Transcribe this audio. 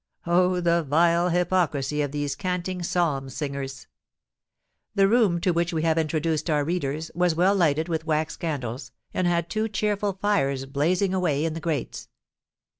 Oh! the vile hypocrisy of these canting psalm singers! The room to which we have introduced our readers, was well lighted with wax candles, and had two cheerful fires blazing away in the grates.